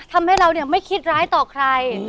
ทำให้เราเนี่ยไม่คิดร้ายต่อใคร